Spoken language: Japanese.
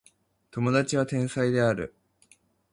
友達は天才である